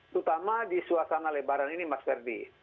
terutama di suasana lebaran ini mas ferdi